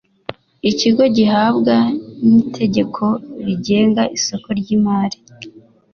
ikigo gihabwa n’itegeko rigenga isoko ry’imari